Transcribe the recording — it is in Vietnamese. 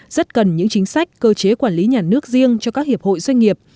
rất cần những chính sách cơ chế quản lý nhà nước riêng cho các hiệp hội doanh nghiệp